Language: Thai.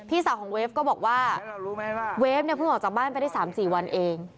พี่สาวของเวฟก็บอกว่าวเรียนเนี่ยเพิ่งออกจากบ้านไปได้สามสี่วันเอง